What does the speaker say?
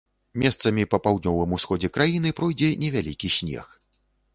Месцамі па паўднёвым усходзе краіны пройдзе невялікі снег.